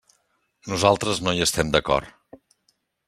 Nosaltres no hi estem d'acord.